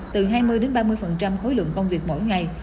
từ hai mươi ba mươi khối lượng công việc mỗi ngày